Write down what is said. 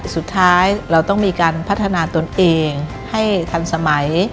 สุดท้ายเราต้องมีการพัฒนาตนเองให้ทันสมัย